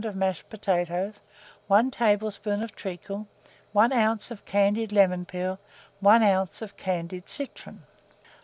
of mashed potatoes, 1 tablespoonful of treacle, 1 oz. of candied lemon peel, 1 oz. of candied citron.